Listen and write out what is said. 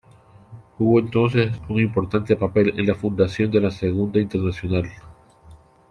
Jugó entonces un importante papel en la fundación de la Segunda Internacional.